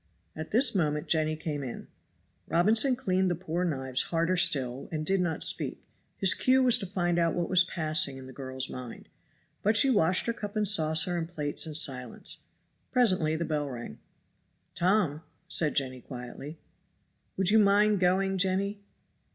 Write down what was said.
At this moment Jenny came in. Robinson cleaned the poor knives harder still and did not speak; his cue was to find out what was passing in the girl's mind. But she washed her cup and saucer and plates in silence. Presently the bell rang. "Tom!" said Jenny quietly. "Would you mind going, Jenny?"